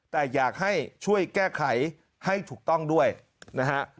แต่อยากให้ช่วยแก้ไขให้ถูกต้องด้วยนะฮะ